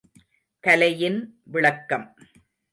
கலையின் விளக்கம் ….